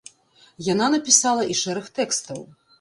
Яна напісала і шэраг тэкстаў.